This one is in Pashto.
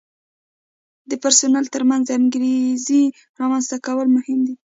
د پرسونل ترمنځ د انګیزې رامنځته کول مهم دي.